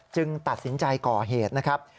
ตัดสินใจก่อเหตุนะครับ